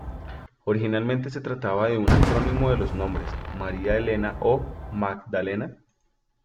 Originalmente se trataba de un acrónimo de los nombres "María Elena" o "Magdalena".